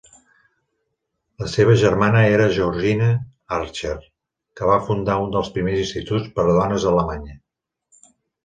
La seva germana era Georgina Archer, que va fundar un dels primers instituts per a dones a Alemanya.